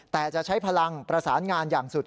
แต่จะใช้พลังประสานงานอย่างสุด